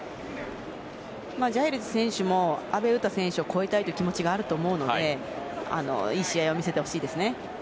ジャイルズ選手も阿部詩選手を超えたいという気持ちあると思うのでいい試合を見せてほしいですね。